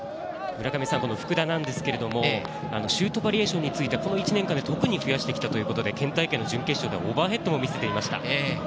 福田なんですけれども、シュートバリエーションについてこの１年間で特に増やしてきたということで県大会準決勝でオーバーヘッドも見せていました。